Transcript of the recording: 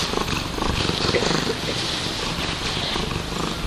Muzeum provozuje také prezenční knihovnu.